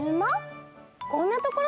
こんなところで？